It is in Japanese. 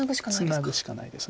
ツナぐしかないです。